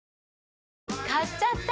買っちゃった！